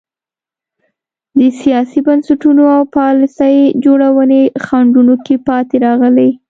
د سیاسي بنسټونو او پالیسۍ جوړونې خنډونو کې پاتې راغلي.